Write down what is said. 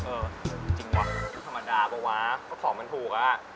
เออจริงวะธรรมดาป่ะวะก็ของมันถูกอ่ะ